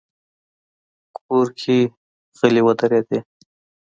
کور کې غلې ودرېدې.